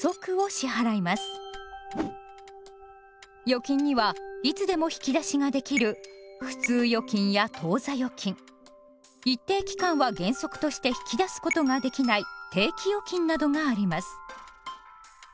預金にはいつでも引き出しができる普通預金や当座預金一定期間は原則として引き出すことができない定期預金などがあります。